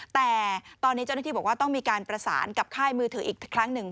แต่ตอนนี้เจ้าหน้าที่บอกว่าต้องมีการประสานกับค่ายมือถืออีกครั้งหนึ่ง